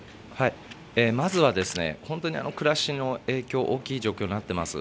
まずは本当に暮らしの影響、大きい状況になってます。